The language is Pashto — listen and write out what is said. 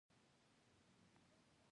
په ټکنالوژي کې پښتو ادغام اړین دی.